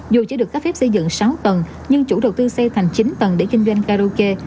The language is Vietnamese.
dù chưa được cấp phép xây dựng sáu tầng nhưng chủ đầu tư xây thành chín tầng để kinh doanh karaoke